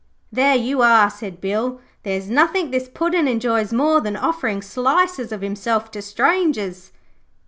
'There you are,' said Bill. 'There's nothing this Puddin' enjoys more than offering slices of himself to strangers.'